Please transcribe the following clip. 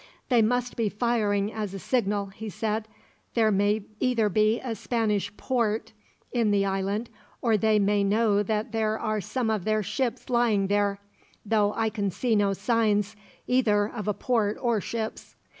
"They must be firing as a signal," he said. "There may either be a Spanish port in the island, or they may know that there are some of their ships lying there; though I can see no signs, either of a port or ships."